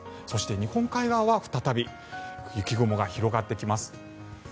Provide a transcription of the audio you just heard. そして、日本海側は再び雪雲が広がってきます。